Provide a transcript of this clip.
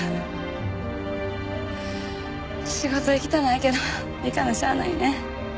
仕事行きたないけど行かなしゃあないね。